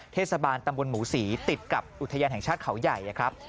เทศบาลตำบลหมูศรีติดกับอุทยานแห่งชาติเขาใหญ่นะครับ